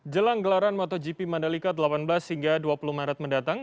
jelang gelaran motogp mandalika delapan belas hingga dua puluh maret mendatang